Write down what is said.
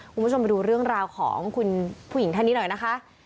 คุณผู้ชมไปดูเรื่องราวของคุณผู้หญิงท่านนี้หน่อยนะคะ